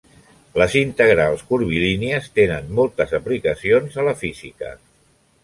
Les integrals curvilínies tenen moltes aplicacions a la física.